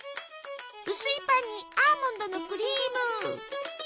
薄いパンにアーモンドのクリーム。